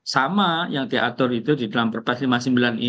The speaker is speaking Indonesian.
sama yang diatur itu di dalam perpres lima puluh sembilan ini